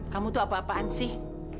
kamu tuh apa apaan sih